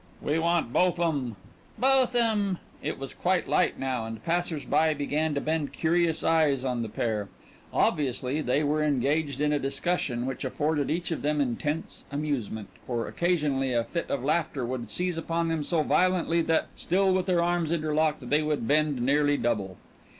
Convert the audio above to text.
"We want both 'em!" "Both 'em!" It was quite light now, and passers by began to bend curious eyes on the pair. Obviously they were engaged in a discussion, which afforded each of them intense amusement, for occasionally a fit of laughter would seize upon them so violently that, still with their arms interlocked, they would bend nearly double.